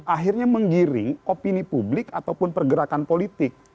akhirnya menggiring opini publik ataupun pergerakan politik